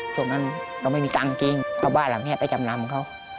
ช่วงนั้นเราไม่มีเงินจริงเพราะบ้านเราแค่ไปจำนำเขา